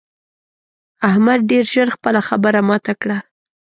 احمد ډېر ژر خپله خبره ماته کړه.